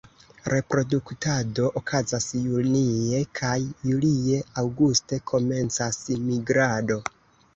Reproduktado okazas junie kaj julie; aŭguste komencas migrado.